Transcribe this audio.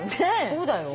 そうだよ。